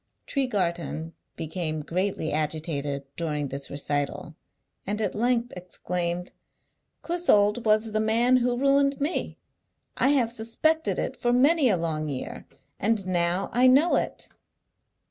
Tregarthen became greatly agitated during this recital, and at length exclaimed, "Clissold was the man who ruined me! I have suspected it for many a long year, and now I know it."